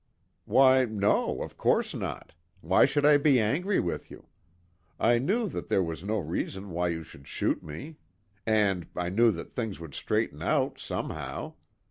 "Why, no, of course not! Why should I be angry with you? I knew that there was no reason why you should shoot me. And I knew that things would straighten out, somehow.